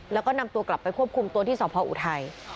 แล้วก็นำตัวกลับไปควบคุมตัวที่สพออุทัย